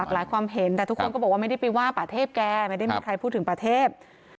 หลายความเห็นแต่ทุกคนก็บอกว่าไม่ได้ไปว่าป่าเทพแกไม่ได้มีใครพูดถึงประเทศ